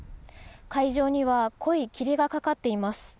海上には濃い霧がかかっています。